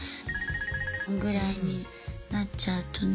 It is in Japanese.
ぐらいになっちゃうとね。